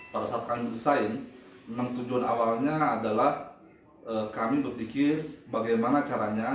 pada saat kami desain memang tujuan awalnya adalah kami berpikir bagaimana caranya